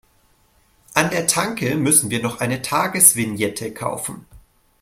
An der Tanke müssen wir noch eine Tagesvignette kaufen.